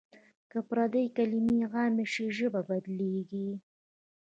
که پردۍ کلمې عامې شي ژبه بدلېږي.